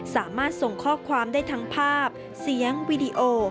สามารถส่งข้อความได้ทั้งภาพเสียงวีดีโอ